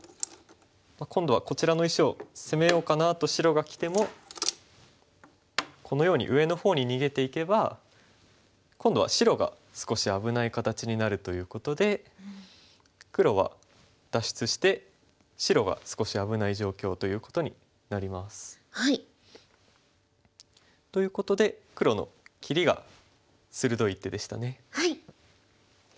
今度はこちらの石を攻めようかなと白がきてもこのように上の方に逃げていけば今度は白が少し危ない形になるということで黒は脱出して白が少し危ない状況ということになります。ということで黒のキリが鋭い一手でしたね。